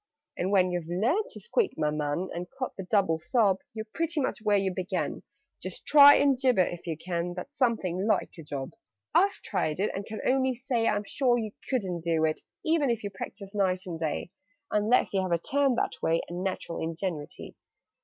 "And when you've learned to squeak, my man And caught the double sob, You're pretty much where you began: Just try and gibber if you can! That's something like a job! "I've tried it, and can only say I'm sure you couldn't do it, e ven if you practised night and day, Unless you have a turn that way, And natural ingenuity.